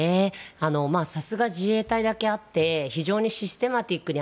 さすが自衛隊だけあって非常にシステマチックに